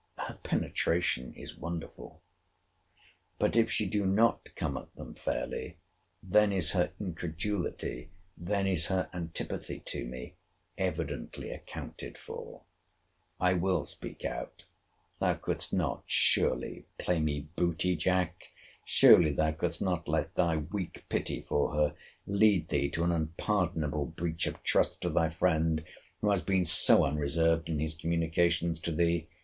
her penetration is wonderful. But if she do not come at them fairly, then is her incredulity, then is her antipathy to me evidently accounted for. I will speak out—thou couldst not, surely, play me booty, Jack?—Surely thou couldst not let thy weak pity for her lead thee to an unpardonable breach of trust to thy friend, who has been so unreserved in his communications to thee?